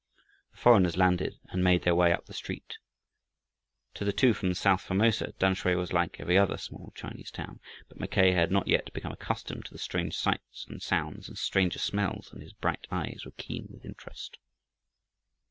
The foreigners landed and made their way up the street. To the two from south Formosa, Tamsui was like every other small Chinese town, but Mackay had not yet become accustomed to the strange sights and sounds and stranger smells, and his bright eyes were keen with interest.